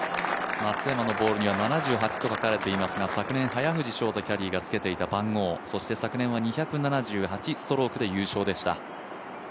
松山のボールには７８と書かれていますが、昨年、早藤キャディーがつけていた番号そして昨年は２７８ストロークで優勝でした。